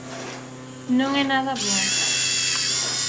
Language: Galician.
Non é nada boa.